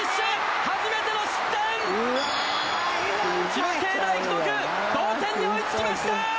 千葉経大附属同点に追いつきました。